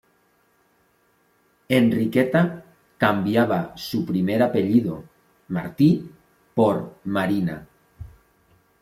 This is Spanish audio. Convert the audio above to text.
Enriqueta cambiaba su primer apellido, Martí, por Marina.